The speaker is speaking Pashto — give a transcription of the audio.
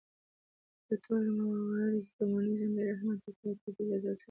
په ټولو مواردو کې کمونېزم بې رحمه دیکتاتورۍ له ځان سره درلود.